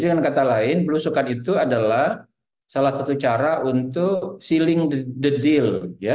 dan dengan kata kata lain belusukan itu adalah salah satu cara untuk sealing the deal